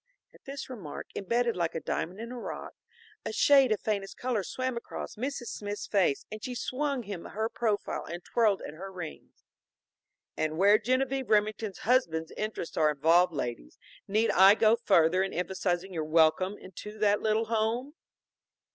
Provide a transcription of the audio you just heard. At this remark, embedded like a diamond in a rock, a shade of faintest color swam across Mrs. Smith's face and she swung him her profile and twirled at her rings. "And where Genevieve Remington's husband's interests are involved, ladies, need I go further in emphasizing your welcome into that little home?"